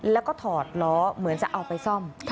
แล้วก็ถอดล้อเหมือนจะเอาไปซ่อม